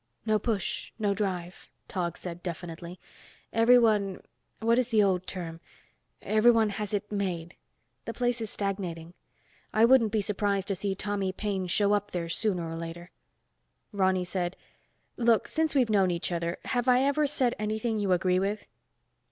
"No push, no drive," Tog said definitely. "Everyone—what is the old term?—everyone has it made. The place is stagnating. I wouldn't be surprised to see Tommy Paine show up there sooner or later." Ronny said, "Look, since we've known each other, have I ever said anything you agree with?"